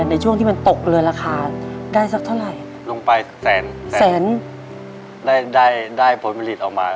ในช่วงที่มันตกเลยราคาได้สักเท่าไหร่